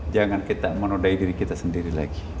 jangan kita menodai diri kita sendiri lagi